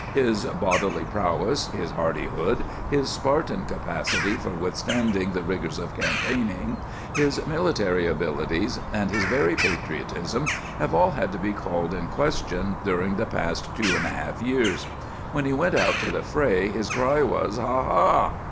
His bodily prowess, his hardihood, his Spartan capacity for withstanding the rigours of campaigning, his military abilities, and his very patriotism have all had to be called in question during the past two and a half years. When he went out to the fray, his cry was, "Ha! ha!"